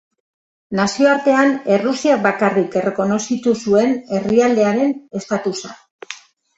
Nazioartean Errusiak bakarrik errekonozitu zuen herrialdearen estatusa.